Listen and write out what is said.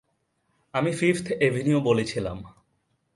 আমি fifth avenue বলেছিলাম।